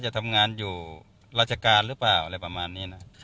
จะทำงานอยู่ราชการหรือเปล่าอะไรประมาณนี้นะ